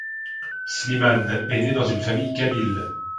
Slimane est né dans une famille kabyle.